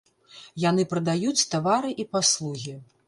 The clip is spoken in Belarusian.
Яны прадаюць тавары і паслугі.